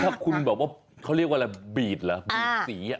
ถ้าคุณแบบว่าเขาเรียกว่าอะไรบีดเหรอบีดสี